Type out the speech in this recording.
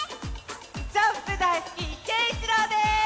ジャンプだいすきけいいちろうです！